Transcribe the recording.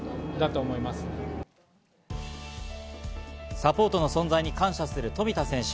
サポートの存在に感謝する富田選手。